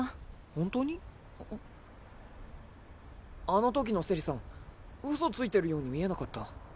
あのときのセリさん嘘ついてるように見えなかった。